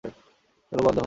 চলো বন্ধ হও।